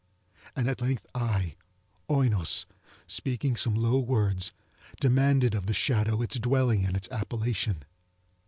And at length I, Oinos, speaking some low words, demanded of the shadow its dwelling and its appellation.